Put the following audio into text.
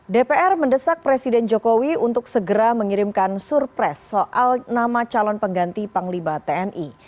dpr mendesak presiden jokowi untuk segera mengirimkan surpres soal nama calon pengganti panglima tni